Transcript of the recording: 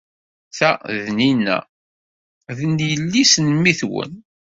Ta d Nina, d yelli-s n mmi-twen.